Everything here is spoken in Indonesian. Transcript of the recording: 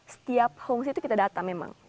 setiap homestay itu kita datang memang